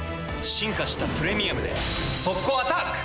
進化した「プレミアム」で速攻アタック！